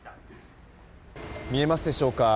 見えますでしょうか。